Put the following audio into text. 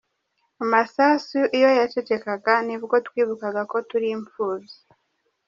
Amasasu iyo yacecekaga ni bwo twibukaga ko turi imfubyi.